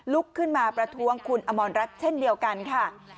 ลุกขึ้นมาประท้วงคุณอมรรัฐเช่นเดียวกันค่ะ